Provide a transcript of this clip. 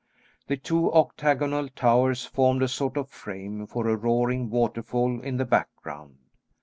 The two octagonal towers formed a sort of frame for a roaring waterfall in the background.